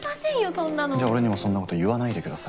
そんなの。じゃあ俺にもそんなこと言わないでください。